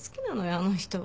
あの人は。